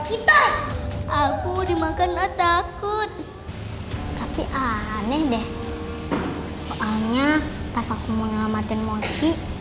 kita aku dimakan takut tapi aneh deh soalnya pas aku menyelamatkan mony